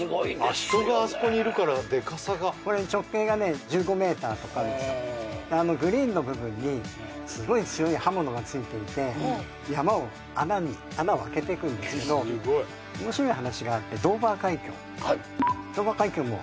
人があそこにいるからデカさがこれ直径がね１５ｍとかあるあのグリーンの部分にスゴい強い刃物がついていて山を穴を開けていくんですけどスゴい面白い話があってドーバー海峡はい